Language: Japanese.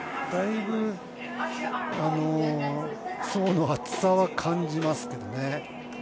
だいぶ層の厚さは感じますけどね。